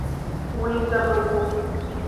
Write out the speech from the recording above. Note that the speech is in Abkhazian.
Уи ҵабыргуп!